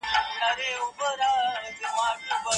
ملایکې له هغه چا سره ستړي مه شي کوي چې مسواک کاروي.